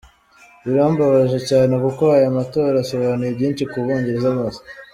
Birambabaje cyane kuko aya matora asobanuye byinshi ku Bongereza bose.